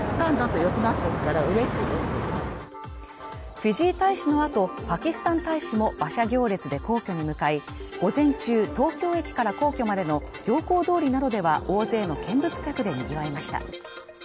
フィジー大使の後、パキスタン大使も馬車行列で皇居に向かい、午前中東京駅から皇居までの行幸通りなどでは、大勢の見物客で賑わいました。